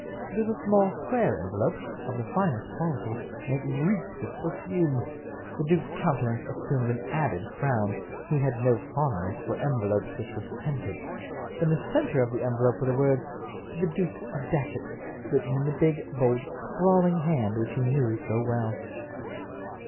It was a small, square envelope, of the finest quality, and it reeked with perfume. The duke's countenance assumed an added frown—he had no fondness for envelopes which were scented. In the center of the envelope were the words, "To the Duke of Datchet," written in the big, bold, sprawling hand which he knew so well.